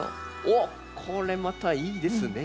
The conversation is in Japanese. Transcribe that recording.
おっこれまたいいですね。